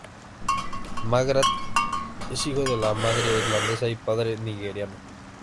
McGrath es hijo de madre irlandesa y padre nigeriano.